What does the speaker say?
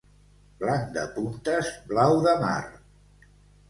Blanc de puntes, blau de mar.